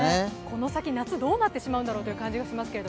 この先、夏、どうなってしまうんだろうと思ってしまいますけど。